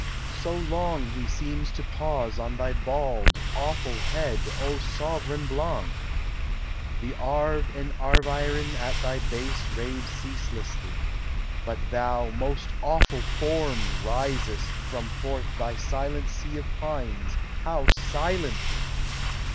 So long he seems to pause On thy bald, awful head, O sovran Blanc! The Arve and Arveiron at thy base Rave ceaselessly; but thou, most awful Form, Risest from forth thy silent sea of pines How silently